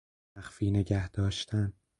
مخفی نگهداشتن